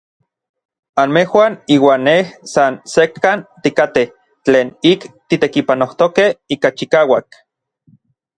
Anmejuan iuan nej san sekkan tikatej tlen ik titekipanojtokej ika chikauak.